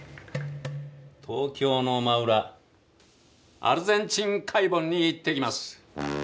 東京の真裏アルゼンチン海盆に行ってきます。